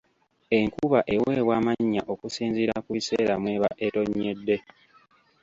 Enkuba eweebwa amannya okusinziira ku biseera mweba etonnyedde.